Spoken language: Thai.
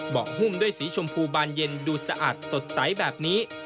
หุ้มด้วยสีชมพูบานเย็นดูสะอาดสดใสแบบนี้